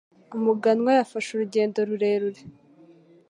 Umuganwa yafashe urugendo rurerure.